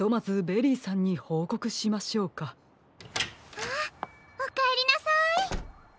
あっおかえりなさい。